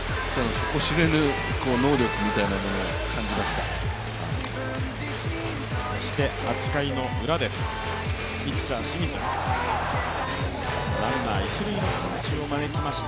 底知れぬ能力みたいなのを感じました。